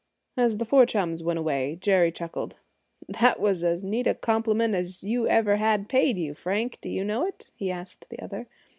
As the four chums went away, Jerry chuckled. "That was as neat a compliment as you ever had paid you, Frank, do you know it?" he asked the other.